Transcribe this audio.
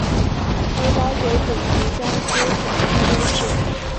梅葆玖祖籍江苏省泰州市。